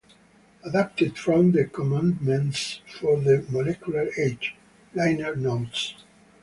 Adapted from the "Commandments for the Molecular Age" liner notes.